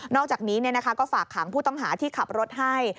อกจากนี้ก็ฝากขังผู้ต้องหาที่ขับรถให้